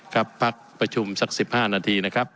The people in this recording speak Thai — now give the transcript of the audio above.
ครับพักประชุมสัก๑๕นาทีนะครับ